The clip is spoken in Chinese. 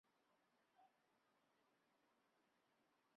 弗拉季斯拉夫二世更在此战中夺去莱茵费尔登的鲁道夫的金剑。